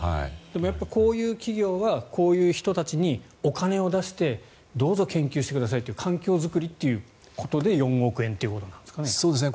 こういう企業はこういう人たちにお金を出してどうぞ研究してくださいっていう環境作りってことで４億円ということなんですかね？